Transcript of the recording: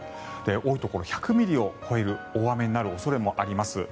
多いところ、１００ミリを超える大雨になる恐れもあります。